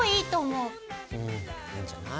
うんいいんじゃない。